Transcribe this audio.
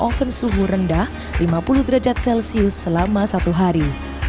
oven suhu rendah lima puluh derajat celcius selama satu hari